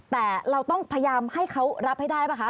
แต่เราต้องพยายามให้เขารับให้ได้ป่ะคะ